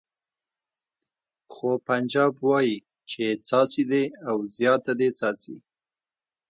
خو پنجاب وایي چې څاڅي دې او زیاته دې څاڅي.